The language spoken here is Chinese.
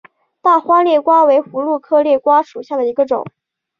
大花裂瓜为葫芦科裂瓜属下的一个种。